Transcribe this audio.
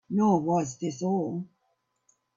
Nor was this all.